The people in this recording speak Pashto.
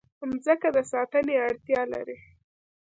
مځکه د ساتنې اړتیا لري.